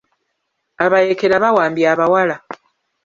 Abayeekera bawambye abawala.